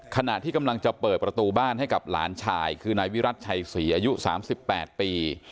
ขณะที่กำลังจะเปิดประตูบ้านให้กับหลานชายคือนายวิรัติชัยศรีอายุ๓๘ปี